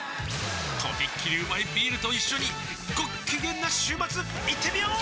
とびっきりうまいビールと一緒にごっきげんな週末いってみよー！